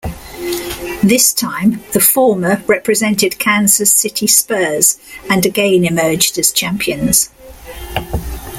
This time the former represented Kansas City Spurs and again emerged as champions.